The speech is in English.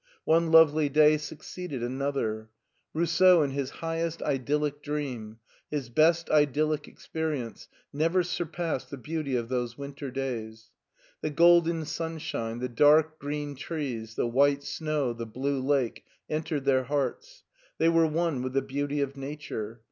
One lovely day succeeded another. Rous seau in his highest idyllic dream, his best idyllic experi ence, never surpassed the beauty of those winter days. The golden sunshine, the dark green trees, the white snow, the blue lake, entered their hearts. They were one with the beauty of nature.